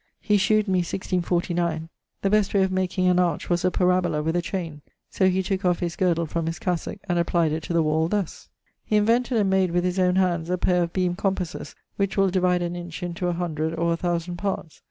He shewed me, 1649, the best way of making an arch was a parabola with a chaine; so he tooke of his girdle from his cassock, and applyed it to the wall, thus: He invented and made with his owne handes a paire of beame compasses, which will divide an inch into a hundred or a thousand parts.